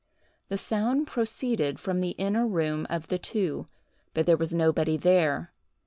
The sound proceeded from the inner room of the two, but there was nobody there.